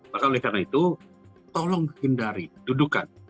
maka oleh karena itu tolong hindari dudukan